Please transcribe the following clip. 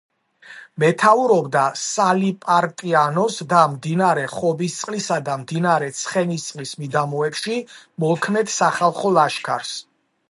მეთაურობდა სალიპარტიანოს და მდინარე ხობისწყლისა და მდინარე ცხენისწყლის მიდამოებში მოქმედ სახალხო ლაშქარს.